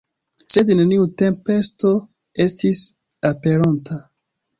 Sed neniu tempesto estis aperonta.